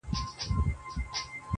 یار له جهان سره سیالي کوومه ښه کوومه,